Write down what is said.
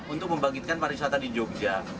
untuk membangkitkan pariwisata di jogja